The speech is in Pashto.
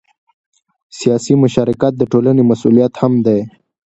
سیاسي مشارکت د ټولنې مسؤلیت هم دی